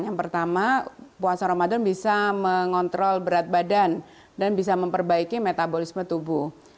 yang pertama puasa ramadan bisa mengontrol berat badan dan bisa memperbaiki metabolisme tubuh